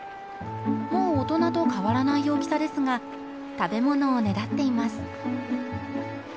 もう大人と変わらない大きさですが食べ物をねだっています。